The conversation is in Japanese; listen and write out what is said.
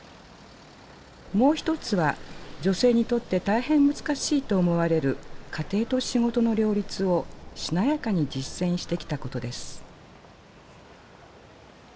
もう一つは女性にとって大変難しいと思われる家庭と仕事の両立をしなやかに実践してきたことです。